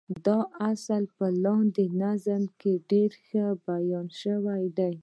دا اصل په لاندې نظم کې ډېر ښه بيان شوی دی.